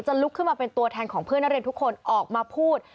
ลุกขึ้นมาเป็นตัวแทนของเพื่อนนักเรียนทุกคนออกมาพูด